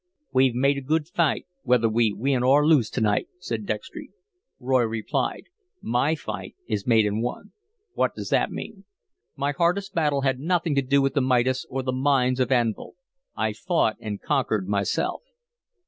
"We've made a good fight, whether we win or lose to night," said Dextry. Roy replied, "MY fight is made and won." "What does that mean?" "My hardest battle had nothing to do with the Midas or the mines of Anvil. I fought and conquered myself."